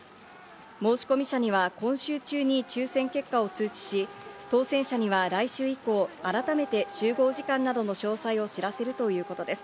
申し込み者には今週中に抽選結果を通知し、当選者には来週以降は改めて集合時間などの詳細を知らせるということです。